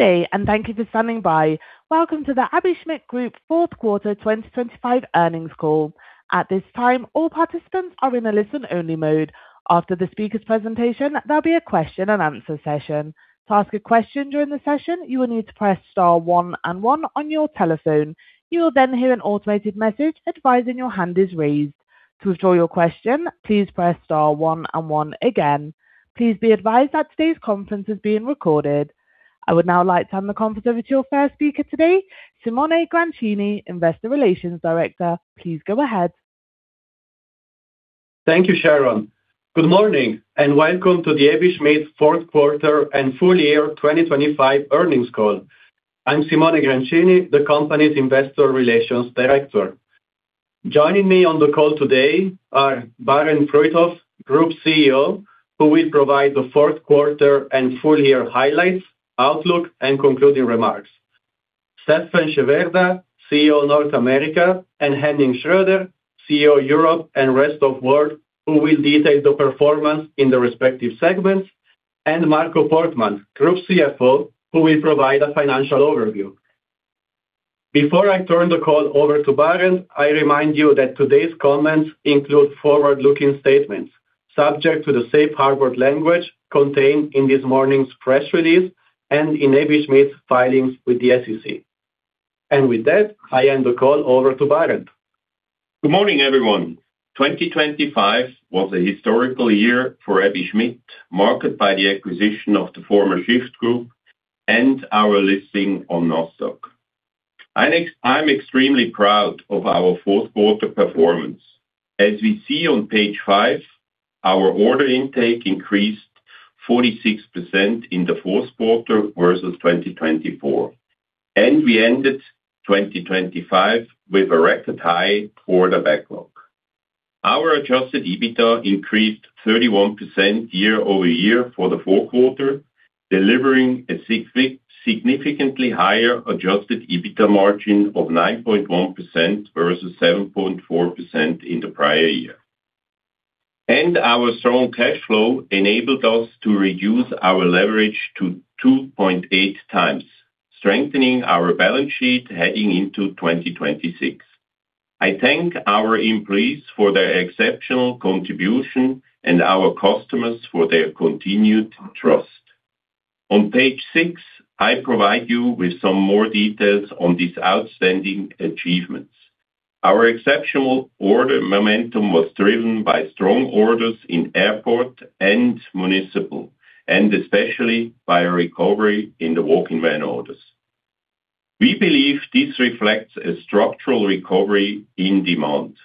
Good day, thank you for standing by. Welcome to the Aebi Schmidt Group fourth quarter 2025 earnings call. At this time, all participants are in a listen-only mode. After the speaker's presentation, there'll be a question and answer session. To ask a question during the session, you will need to press star one and one on your telephone. You will then hear an automated message advising your hand is raised. To withdraw your question, please press star one and one again. Please be advised that today's conference is being recorded. I would now like to hand the conference over to your first speaker today, Simone Grancini, Investor Relations Director. Please go ahead. Thank you, Sharon. Good morning, and welcome to the Aebi Schmidt fourth quarter and full year 2025 earnings call. I'm Simone Grancini, the company's Investor Relations Director. Joining me on the call today are Barend Fruithof, Group CEO, who will provide the fourth quarter and full year highlights, outlook, and concluding remarks. Steffen Schewerda, CEO, North America, and Henning Schröder, CEO, Europe and Rest of World, who will detail the performance in the respective segments. Marco Portmann, Group CFO, who will provide a financial overview. Before I turn the call over to Barend, I remind you that today's comments include forward-looking statements subject to the safe harbor language contained in this morning's press release and in Aebi Schmidt's filings with the SEC. With that, I hand the call over to Barend. Good morning, everyone. 2025 was a historic year for Aebi Schmidt, marked by the acquisition of the former Shyft Group and our listing on Nasdaq. I'm extremely proud of our fourth quarter performance. As we see on page five, our order intake increased 46% in the fourth quarter versus 2024, and we ended 2025 with a record high quarter backlog. Our Adjusted EBITDA increased 31% year-over-year for the fourth quarter, delivering a significantly higher Adjusted EBITDA margin of 9.1% versus 7.4% in the prior year. Our strong cash flow enabled us to reduce our leverage to 2.8x, strengthening our balance sheet heading into 2026. I thank our employees for their exceptional contribution and our customers for their continued trust. On page six, I provide you with some more details on these outstanding achievements. Our exceptional order momentum was driven by strong orders in airport and municipal, and especially by a recovery in the walk-in van orders. We believe this reflects a structural recovery in demand.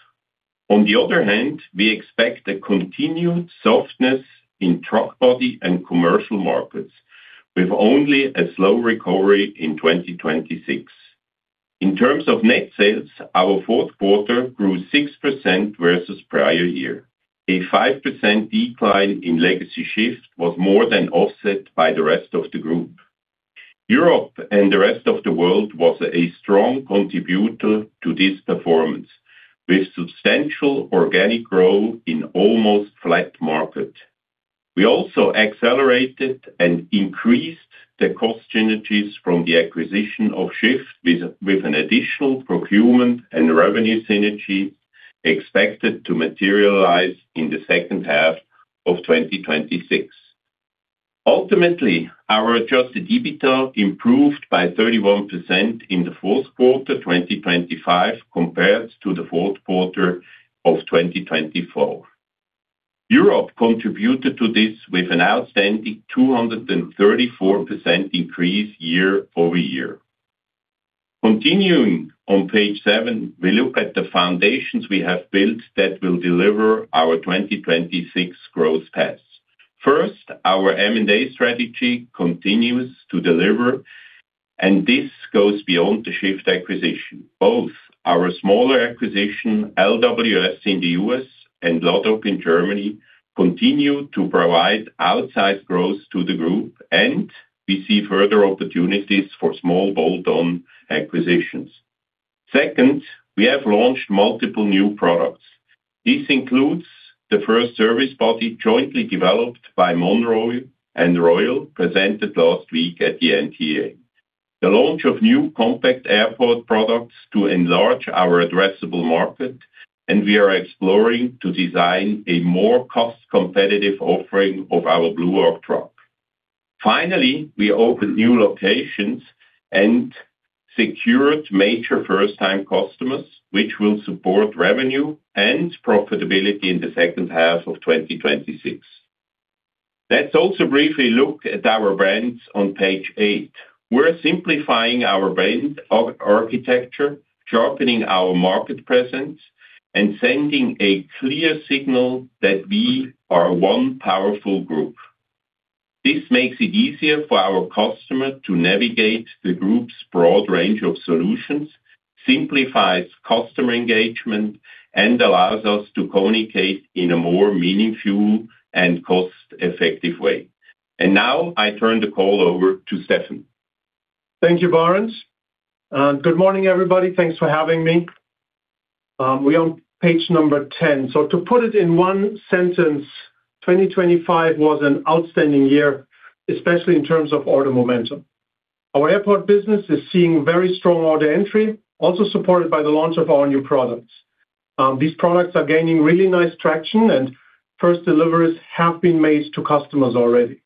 On the other hand, we expect a continued softness in truck body and commercial markets, with only a slow recovery in 2026. In terms of net sales, our fourth quarter grew 6% versus prior year. A 5% decline in legacy Shyft was more than offset by the rest of the group. Europe and the rest of the world was a strong contributor to this performance, with substantial organic growth in almost flat market. We also accelerated and increased the cost synergies from the acquisition of Shyft with an additional procurement and revenue synergy expected to materialize in the second half of 2026. Ultimately, our Adjusted EBITDA improved by 31% in the fourth quarter 2025 compared to the fourth quarter of 2024. Europe contributed to this with an outstanding 234% increase year-over-year. Continuing on page seven, we look at the foundations we have built that will deliver our 2026 growth paths. First, our M&A strategy continues to deliver, and this goes beyond the Shyft acquisition. Both our smaller acquisition, LWS in the U.S. and Lotek in Germany, continue to provide outsized growth to the group, and we see further opportunities for small bolt-on acquisitions. Second, we have launched multiple new products. This includes the first service body jointly developed by Monroe and Royal, presented last week at the NTEA. The launch of new compact airport products to enlarge our addressable market, and we are exploring to design a more cost-competitive offering of our Blue Arc truck. Finally, we opened new locations and secured major first-time customers, which will support revenue and profitability in the second half of 2026. Let's also briefly look at our brands on page eight. We're simplifying our brand architecture, sharpening our market presence, and sending a clear signal that we are one powerful group. This makes it easier for our customer to navigate the group's broad range of solutions, simplifies customer engagement, and allows us to communicate in a more meaningful and cost-effective way. Now I turn the call over to Steffen. Thank you, Barend. Good morning, everybody. Thanks for having me. We're on page number 10. To put it in one sentence, 2025 was an outstanding year, especially in terms of order momentum. Our airport business is seeing very strong order entry, also supported by the launch of our new products. These products are gaining really nice traction, and first deliveries have been made to customers already.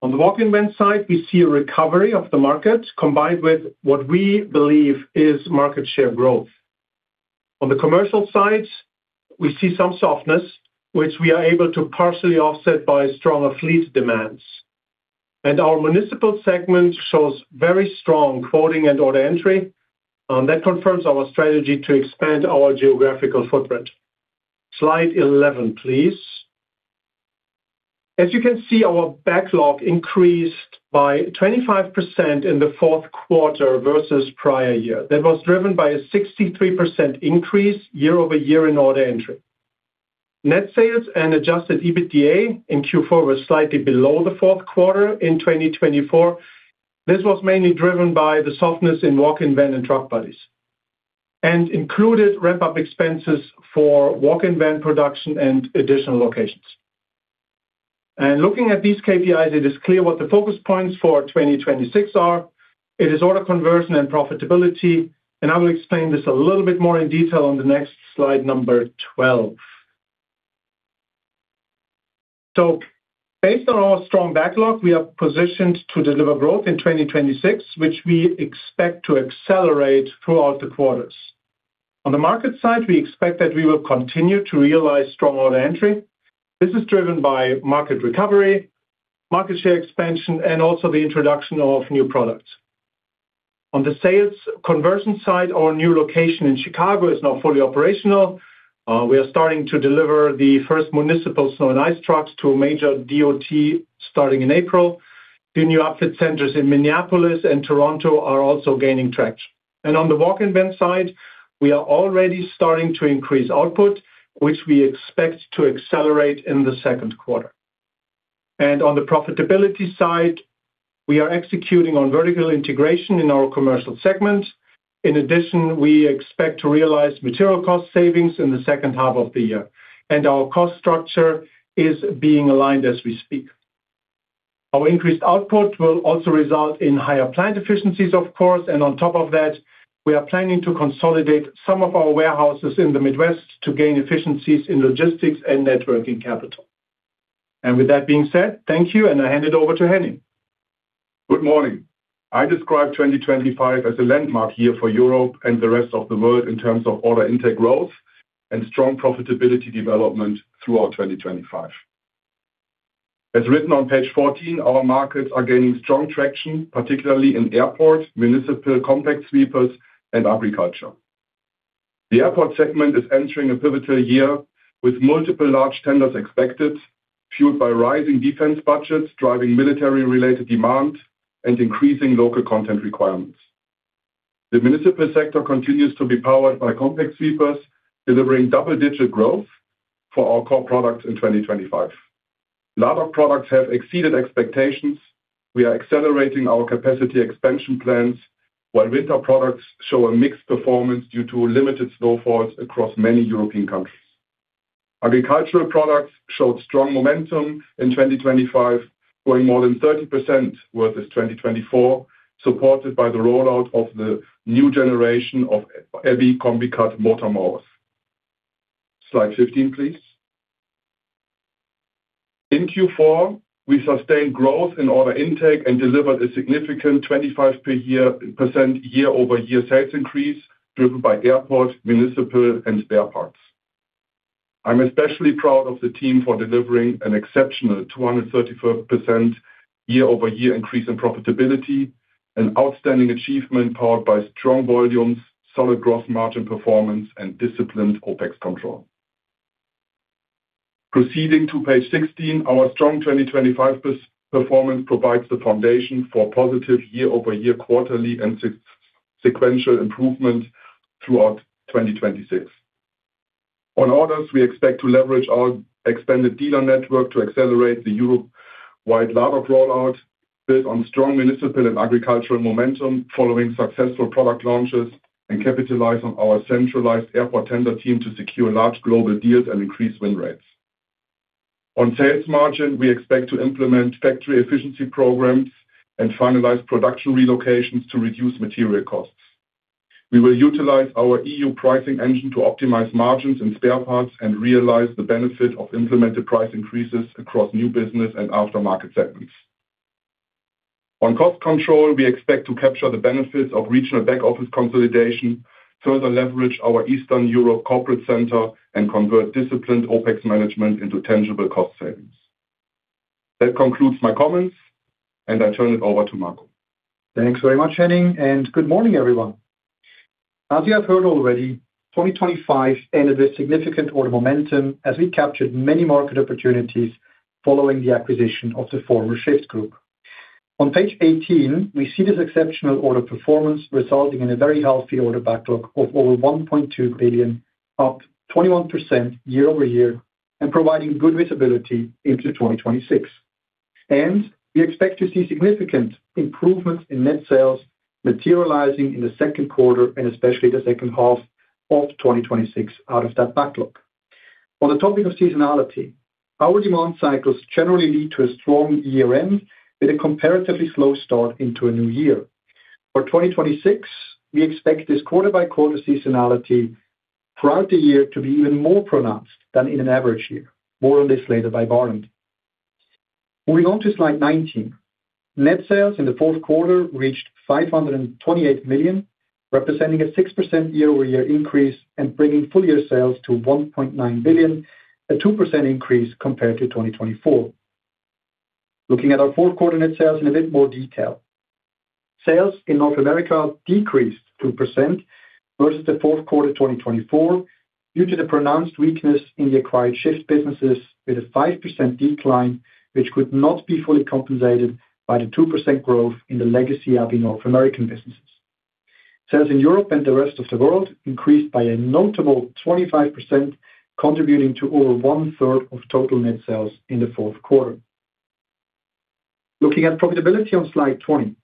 On the walk-in van side, we see a recovery of the market, combined with what we believe is market share growth. On the commercial side, we see some softness, which we are able to partially offset by stronger fleet demands. Our municipal segment shows very strong quoting and order entry that confirms our strategy to expand our geographical footprint. Slide 11, please. As you can see, our backlog increased by 25% in the fourth quarter versus prior year. That was driven by a 63% increase year-over-year in order entry. Net sales and Adjusted EBITDA in Q4 were slightly below the fourth quarter in 2024. This was mainly driven by the softness in walk-in van and truck bodies, and included ramp-up expenses for walk-in van production and additional locations. Looking at these KPIs, it is clear what the focus points for 2026 are. It is order conversion and profitability, and I will explain this a little bit more in detail on the next slide number 12. Based on our strong backlog, we are positioned to deliver growth in 2026, which we expect to accelerate throughout the quarters. On the market side, we expect that we will continue to realize strong order entry. This is driven by market recovery, market share expansion, and also the introduction of new products. On the sales conversion side, our new location in Chicago is now fully operational. We are starting to deliver the first municipal snow and ice trucks to a major DOT starting in April. Two new outfit centers in Minneapolis and Toronto are also gaining traction. On the walk-in van side, we are already starting to increase output, which we expect to accelerate in the second quarter. On the profitability side, we are executing on vertical integration in our commercial segment. In addition, we expect to realize material cost savings in the second half of the year, and our cost structure is being aligned as we speak. Our increased output will also result in higher plant efficiencies of course, and on top of that, we are planning to consolidate some of our warehouses in the Midwest to gain efficiencies in logistics and working capital. With that being said, thank you, and I hand it over to Henning. Good morning. I describe 2025 as a landmark year for Europe and the rest of the world in terms of order intake growth and strong profitability development throughout 2025. As written on page 14, our markets are gaining strong traction, particularly in airport, municipal compact sweepers and agriculture. The airport segment is entering a pivotal year with multiple large tenders expected, fueled by rising defense budgets, driving military-related demand and increasing local content requirements. The municipal sector continues to be powered by compact sweepers, delivering double-digit growth for our core products in 2025. Lärv products have exceeded expectations. We are accelerating our capacity expansion plans while winter products show a mixed performance due to limited snowfalls across many European countries. Agricultural products showed strong momentum in 2025, growing more than 30% versus 2024, supported by the rollout of the new generation of Aebi Combicut motor mowers. Slide 15, please. In Q4, we sustained growth in order intake and delivered a significant 25% year-over-year sales increase driven by airport, municipal and spare parts. I'm especially proud of the team for delivering an exceptional 234% year-over-year increase in profitability, an outstanding achievement powered by strong volumes, solid growth margin performance and disciplined OpEx control. Proceeding to page 16. Our strong 2025 performance provides the foundation for positive year-over-year quarterly and sequential improvement throughout 2026. On orders, we expect to leverage our expanded dealer network to accelerate the Europe-wide LADOG rollout, build on strong municipal and agricultural momentum following successful product launches, and capitalize on our centralized airport tender team to secure large global deals and increase win rates. On sales margin, we expect to implement factory efficiency programs and finalize production relocations to reduce material costs. We will utilize our EU pricing engine to optimize margins and spare parts and realize the benefit of implemented price increases across new business and aftermarket segments. On cost control, we expect to capture the benefits of regional back office consolidation, further leverage our Eastern Europe corporate center and convert disciplined OpEx management into tangible cost savings. That concludes my comments, and I turn it over to Marco. Thanks very much, Henning, and good morning, everyone. As you have heard already, 2025 ended with significant order momentum as we captured many market opportunities following the acquisition of the former Shyft Group. On page 18, we see this exceptional order performance resulting in a very healthy order backlog of over 1.2 billion, up 21% year-over-year and providing good visibility into 2026. We expect to see significant improvements in net sales materializing in the second quarter and especially the second half of 2026 out of that backlog. On the topic of seasonality, our demand cycles generally lead to a strong year-end with a comparatively slow start into a new year. For 2026, we expect this quarter-by-quarter seasonality throughout the year to be even more pronounced than in an average year. More on this later by Barend. Moving on to slide 19. Net sales in the fourth quarter reached 528 million, representing a 6% year-over-year increase and bringing full-year sales to 1.9 billion, a 2% increase compared to 2024. Looking at our fourth quarter net sales in a bit more detail. Sales in North America decreased 2% versus the fourth quarter 2024 due to the pronounced weakness in the acquired Shyft businesses with a 5% decline, which could not be fully compensated by the 2% growth in the legacy AB North American businesses. Sales in Europe and the rest of the world increased by a notable 25%, contributing to over one-third of total net sales in the fourth quarter. Looking at profitability on slide 20.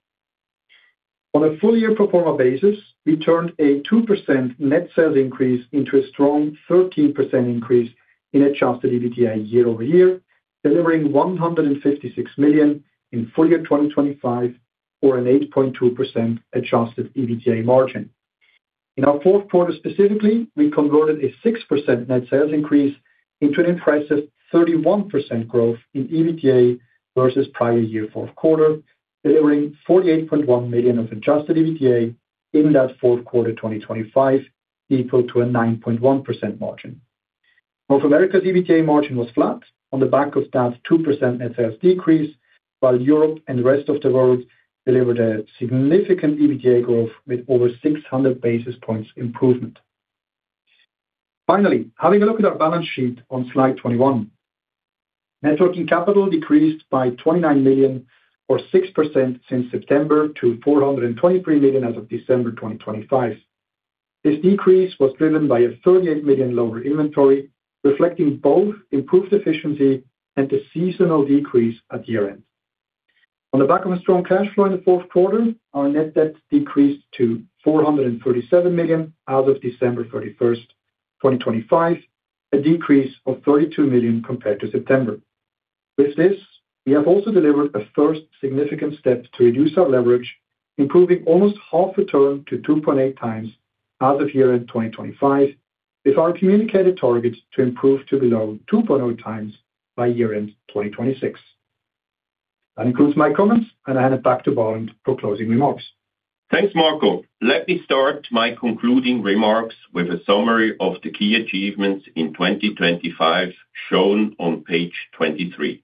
On a full-year pro forma basis, we turned a 2% net sales increase into a strong 13% increase in Adjusted EBITDA year-over-year, delivering 156 million in full year 2025 or an 8.2% Adjusted EBITDA margin. In our fourth quarter, specifically, we converted a 6% net sales increase into an impressive 31% growth in EBITDA versus prior year fourth quarter, delivering 48.1 million of Adjusted EBITDA in that fourth quarter 2025 equal to a 9.1% margin. North America's EBITDA margin was flat on the back of that 2% net sales decrease, while Europe and the rest of the world delivered a significant EBITDA growth with over 600 basis points improvement. Finally, having a look at our balance sheet on slide 21. Net working capital decreased by 29 million or 6% since September to 423 million as of December 2025. This decrease was driven by a 38 million lower inventory, reflecting both improved efficiency and the seasonal decrease at year-end. On the back of a strong cash flow in the fourth quarter, our net debt decreased to 437 million as of December 31, 2025, a decrease of 32 million compared to September. With this, we have also delivered a first significant step to reduce our leverage, improving almost half a turn to 2.8x as of year-end 2025 with our communicated target to improve to below 2.0x by year-end 2026. That concludes my comments, and I hand it back to Barend for closing remarks. Thanks, Marco. Let me start my concluding remarks with a summary of the key achievements in 2025 shown on page 23.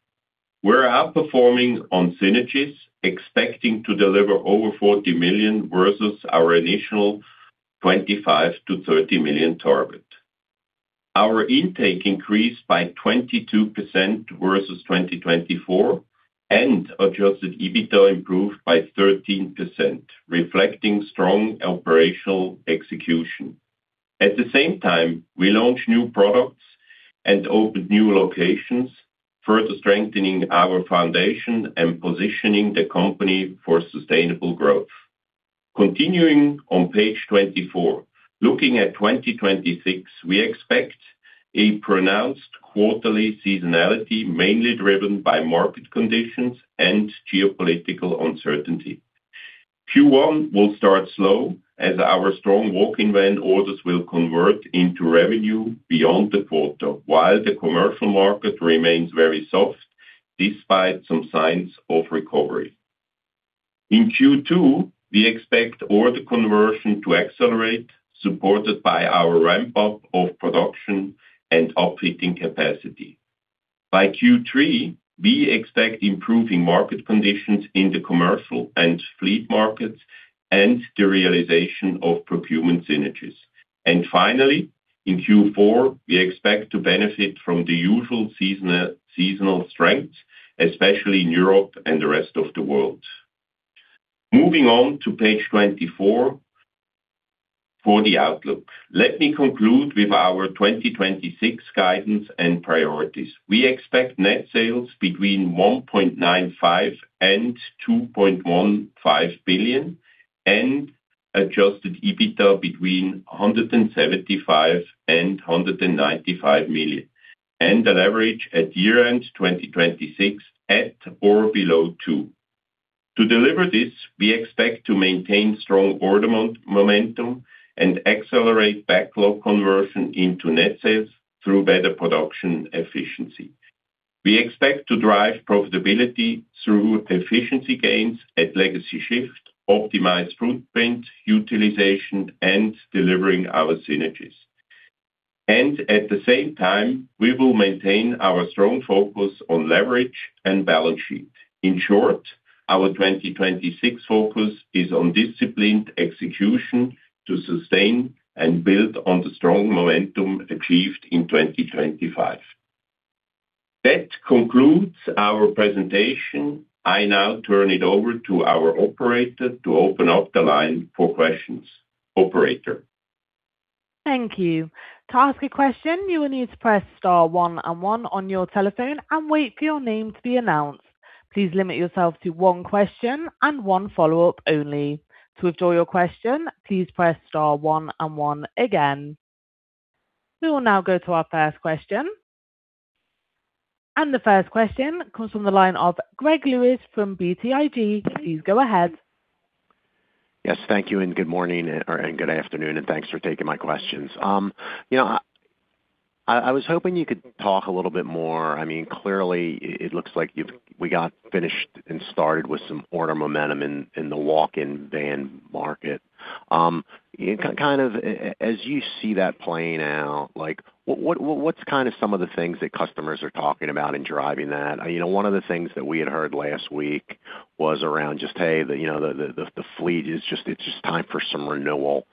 We're outperforming on synergies, expecting to deliver over 40 million versus our initial 25 million-30 million target. Our intake increased by 22% versus 2024, and Adjusted EBITDA improved by 13%, reflecting strong operational execution. At the same time, we launched new products and opened new locations, further strengthening our foundation and positioning the company for sustainable growth. Continuing on page 24. Looking at 2026, we expect a pronounced quarterly seasonality, mainly driven by market conditions and geopolitical uncertainty. Q1 will start slow as our strong walk-in van orders will convert into revenue beyond the quarter, while the commercial market remains very soft despite some signs of recovery. In Q2, we expect order conversion to accelerate, supported by our ramp-up of production and upfitting capacity. By Q3, we expect improving market conditions in the commercial and fleet markets and the realization of procurement synergies. Finally, in Q4, we expect to benefit from the usual seasonal strength, especially in Europe and the rest of the world. Moving on to page 24 for the outlook. Let me conclude with our 2026 guidance and priorities. We expect net sales between 1.95 billion and 2.15 billion, and Adjusted EBITDA between 175 million and 195 million, and a leverage at year-end 2026 at or below two. To deliver this, we expect to maintain strong order momentum and accelerate backlog conversion into net sales through better production efficiency. We expect to drive profitability through efficiency gains at legacy Shyft, optimize footprint utilization, and delivering our synergies. At the same time, we will maintain our strong focus on leverage and balance sheet. In short, our 2026 focus is on disciplined execution to sustain and build on the strong momentum achieved in 2025. That concludes our presentation. I now turn it over to our operator to open up the line for questions. Operator? Thank you. To ask a question, you will need to press star one and one on your telephone and wait for your name to be announced. Please limit yourself to one question and one follow-up only. To withdraw your question, please press star one and one again. We will now go to our first question. The first question comes from the line of Gregory Lewis from BTIG. Please go ahead. Yes, thank you, and good morning or good afternoon, and thanks for taking my questions. You know, I was hoping you could talk a little bit more. I mean, clearly it looks like we got finished and started with some order momentum in the walk-in van market. Kind of as you see that playing out, like, what's kind of some of the things that customers are talking about in driving that? You know, one of the things that we had heard last week was around just, hey, you know, the fleet is just, it's just time for some renewal.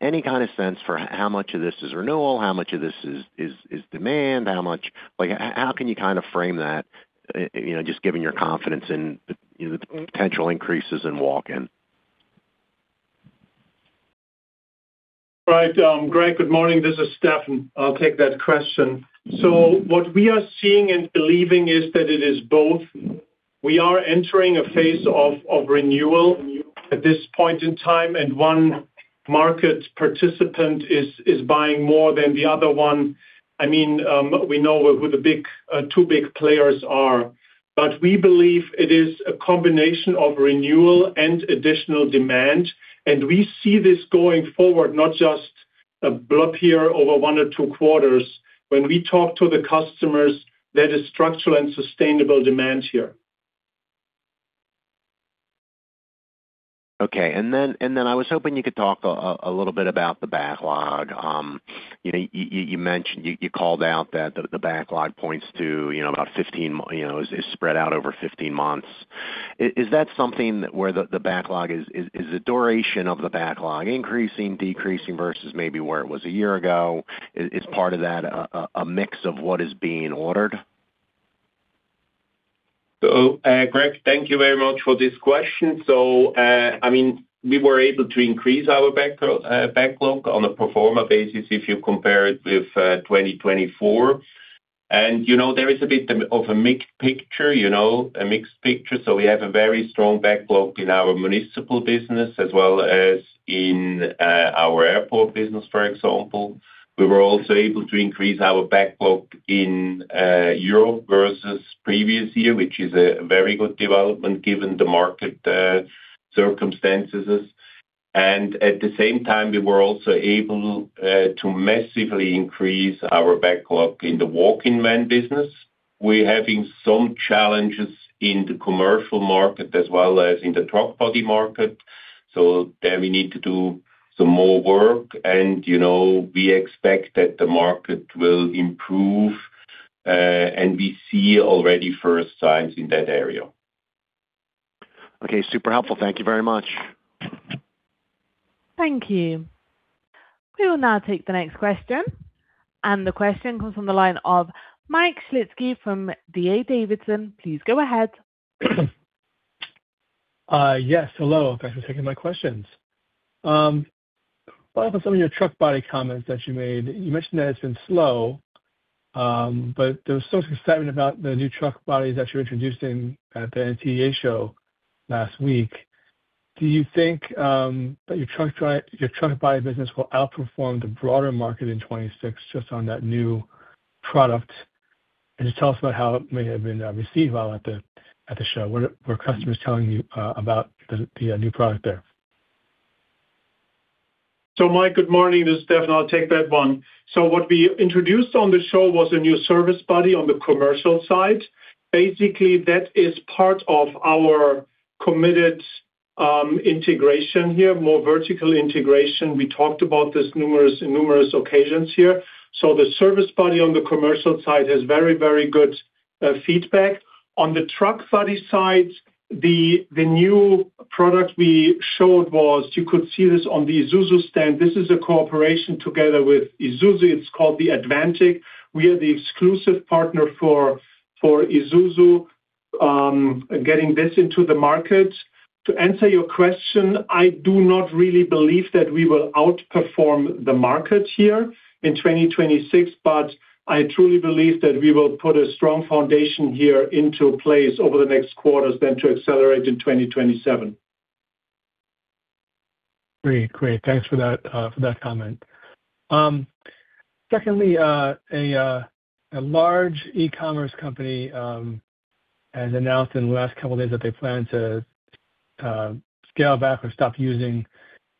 Any kind of sense for how much of this is renewal? How much of this is demand? Like, how can you kind of frame that, you know, just given your confidence in the, you know, the potential increases in walk-in? Right. Greg, good morning. This is Steffen. I'll take that question. What we are seeing and believing is that it is both. We are entering a phase of renewal at this point in time, and one market participant is buying more than the other one. I mean, we know who the two big players are. We believe it is a combination of renewal and additional demand, and we see this going forward, not just a blip here over one or two quarters. When we talk to the customers, there is structural and sustainable demand here. Okay. I was hoping you could talk a little bit about the backlog. You know, you mentioned. You called out that the backlog points to, you know, about 15 months, you know, is spread out over 15 months. Is that something where the backlog is. Is the duration of the backlog increasing, decreasing versus maybe where it was a year ago? Is part of that a mix of what is being ordered? Greg, thank you very much for this question. I mean, we were able to increase our backlog on a pro forma basis if you compare it with 2024. You know, there is a bit of a mixed picture, you know, a mixed picture. We have a very strong backlog in our municipal business as well as in our airport business, for example. We were also able to increase our backlog in Europe versus previous year, which is a very good development given the market circumstances. At the same time, we were also able to massively increase our backlog in the walk-in van business. We're having some challenges in the commercial market as well as in the truck body market, so there we need to do some more work. You know, we expect that the market will improve, and we see already first signs in that area. Okay, super helpful. Thank you very much. Thank you. We will now take the next question, and the question comes from the line of Mike Shlisky from D.A. Davidson. Please go ahead. Yes, hello. Thanks for taking my questions. Following up on some of your truck body comments that you made, you mentioned that it's been slow, but there was still some excitement about the new truck bodies that you're introducing at the NTEA show last week. Do you think that your truck body business will outperform the broader market in 2026 just on that new product? Just tell us about how it may have been received while at the show. What are customers telling you about the new product there? Mike, good morning. This is Steffen. I'll take that one. What we introduced on the show was a new service body on the commercial side. Basically, that is part of our committed integration here, more vertical integration. We talked about this numerous occasions here. The service body on the commercial side has very, very good feedback. On the truck body side, the new product we showed was, you could see this on the Isuzu stand. This is a cooperation together with Isuzu. It's called the Advantic. We are the exclusive partner for Isuzu getting this into the market. To answer your question, I do not really believe that we will outperform the market here in 2026, but I truly believe that we will put a strong foundation here into place over the next quarters then to accelerate in 2027. Great. Thanks for that comment. Secondly, a large e-commerce company has announced in the last couple days that they plan to scale back or stop using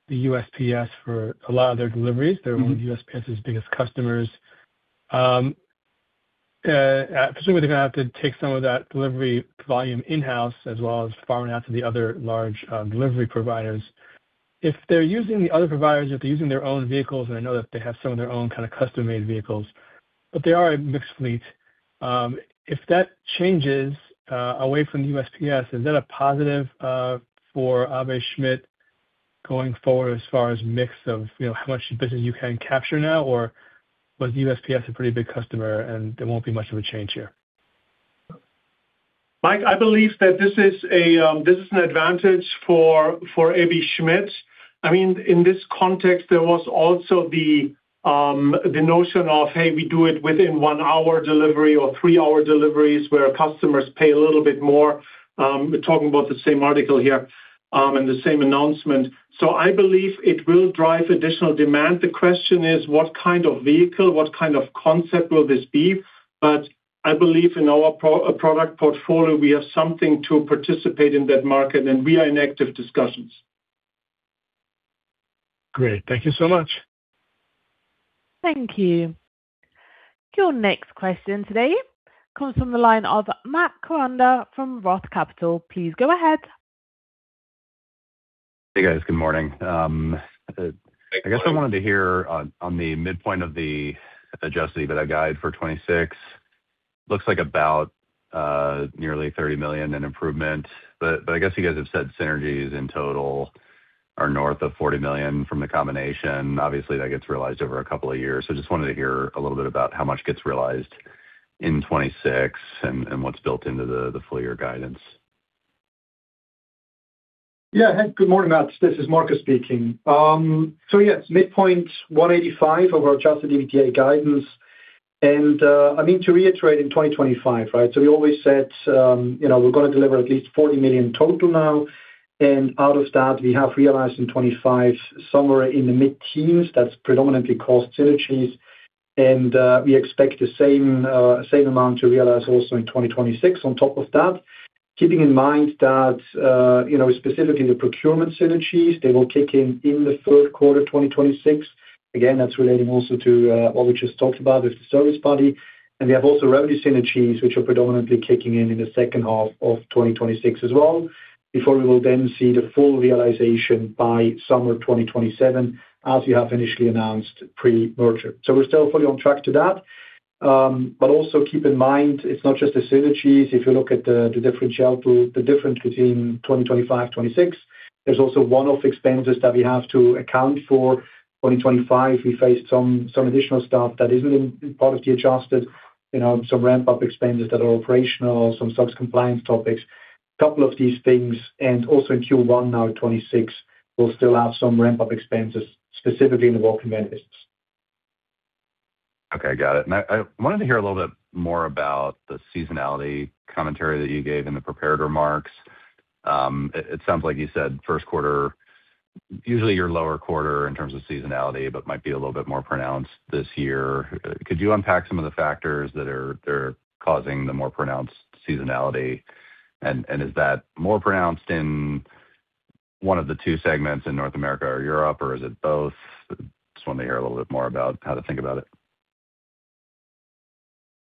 the USPS for a lot of their deliveries. They're one of USPS's biggest customers. I presume they're gonna have to take some of that delivery volume in-house as well as farm it out to the other large delivery providers. If they're using the other providers, if they're using their own vehicles, and I know that they have some of their own kinda custom-made vehicles, but they are a mixed fleet. If that changes away from the USPS, is that a positive for Aebi Schmidt going forward as far as mix of, you know, how much business you can capture now? Was USPS a pretty big customer, and there won't be much of a change here? Mike, I believe that this is an advantage for Aebi Schmidt. I mean, in this context, there was also the notion of, hey, we do it within one-hour delivery or three-hour deliveries where customers pay a little bit more. We're talking about the same article here, and the same announcement. I believe it will drive additional demand. The question is what kind of vehicle, what kind of concept will this be? I believe in our broad product portfolio, we have something to participate in that market, and we are in active discussions. Great. Thank you so much. Thank you. Your next question today comes from the line of Matt Koranda from Roth Capital. Please go ahead. Hey, guys. Good morning. Hey, Matt. I guess I wanted to hear on the midpoint of the Adjusted EBITDA guide for 2026. Looks like about nearly 30 million in improvement. I guess you guys have said synergies in total are north of 40 million from the combination. Obviously, that gets realized over a couple of years. Just wanted to hear a little bit about how much gets realized in 2026 and what's built into the full year guidance. Yeah. Hey, good morning, Matt. This is Marco speaking. Yes, midpoint 185 of our Adjusted EBITDA guidance. I mean to reiterate in 2025, right? We always said, you know, we're gonna deliver at least 40 million total now, and out of that, we have realized in 2025 somewhere in the mid-teens that's predominantly cost synergies. We expect the same amount to realize also in 2026 on top of that. Keeping in mind that, you know, specifically the procurement synergies, they will kick in in the third quarter, 2026. Again, that's relating also to what we just talked about with the service body. We have also revenue synergies, which are predominantly kicking in in the second half of 2026 as well, before we will then see the full realization by summer 2027, as we have initially announced pre-merger. We're still fully on track to that. Also keep in mind, it's not just the synergies. If you look at the differential to the difference between 2025, 2026, there's also one-off expenses that we have to account for. 2025, we faced some additional stuff that isn't part of the adjusted, you know, some ramp-up expenses that are operational, some subs compliance topics. A couple of these things, and also in Q1 2026, we'll still have some ramp-up expenses, specifically in the walk-in vans. Okay, got it. I wanted to hear a little bit more about the seasonality commentary that you gave in the prepared remarks. It sounds like you said first quarter, usually your lower quarter in terms of seasonality, but might be a little bit more pronounced this year. Could you unpack some of the factors that are causing the more pronounced seasonality? Is that more pronounced in one of the two segments in North America or Europe, or is it both? Just want to hear a little bit more about how to think about it.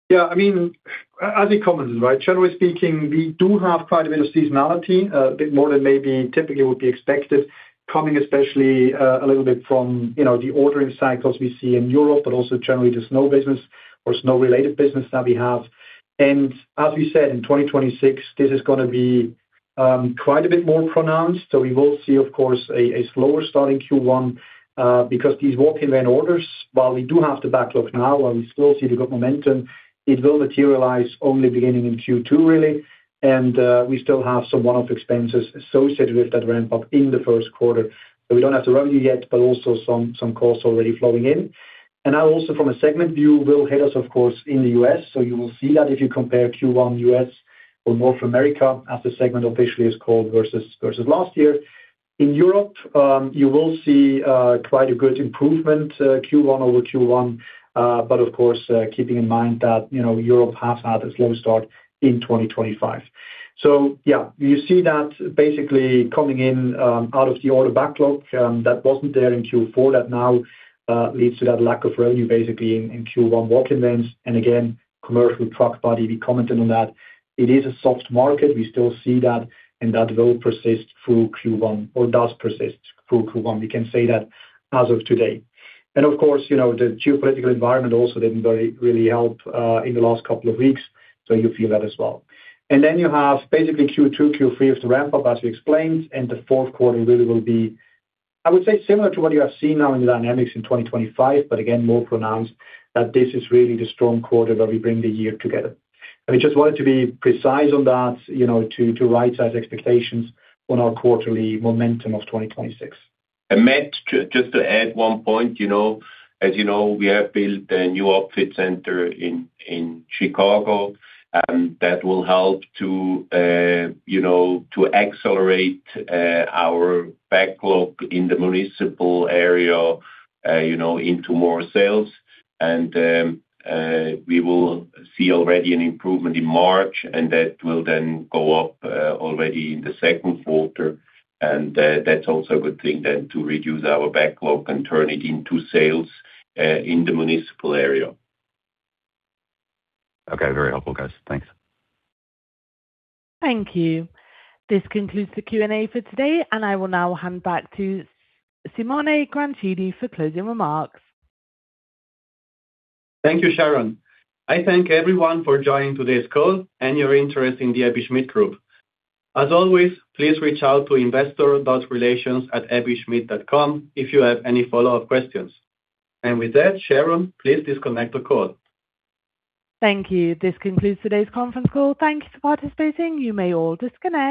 Yeah, I mean, as he commented, right? Generally speaking, we do have quite a bit of seasonality, a bit more than maybe typically would be expected, coming especially, a little bit from, you know, the ordering cycles we see in Europe, but also generally the snow business or snow-related business that we have. As we said, in 2026, this is gonna be quite a bit more pronounced. We will see, of course, a slower start in Q1, because these walk-in van orders, while we do have the backlog now and we still see the good momentum, it will materialize only beginning in Q2, really. We still have some one-off expenses associated with that ramp-up in the first quarter. We don't have the revenue yet, but also some costs already flowing in. Now also from a segment view will hit us, of course, in the US, so you will see that if you compare Q1 U.S. Or North America as the segment officially is called versus last year. In Europe, you will see quite a good improvement, Q1 over Q1. But of course, keeping in mind that, you know, Europe has had a slow start in 2025. Yeah, you see that basically coming in out of the order backlog that wasn't there in Q4 that now leads to that lack of revenue basically in Q1 walk-in vans. Again, commercial truck body, we commented on that. It is a soft market. We still see that, and that will persist through Q1 or does persist through Q1. We can say that as of today. Of course, you know, the geopolitical environment also didn't really help in the last couple of weeks. You feel that as well. Then you have basically Q2, Q3 is the ramp-up, as we explained, and the fourth quarter really will be, I would say, similar to what you have seen now in the dynamics in 2025, but again, more pronounced that this is really the strong quarter where we bring the year together. We just wanted to be precise on that, you know, to right-size expectations on our quarterly momentum of 2026. Matt, just to add one point, you know. As you know, we have built a new outfitting center in Chicago, and that will help, you know, to accelerate our backlog in the municipal area, you know, into more sales. We will see already an improvement in March, and that will then go up already in the second quarter. That's also a good thing then to reduce our backlog and turn it into sales in the municipal area. Okay. Very helpful, guys. Thanks. Thank you. This concludes the Q&A for today, and I will now hand back to Simone Grancini for closing remarks. Thank you, Sharon. I thank everyone for joining today's call and your interest in the Aebi Schmidt Group. As always, please reach out to investor.relations@aebi-schmidt.com if you have any follow-up questions. With that, Sharon, please disconnect the call. Thank you. This concludes today's conference call. Thank you for participating. You may all disconnect.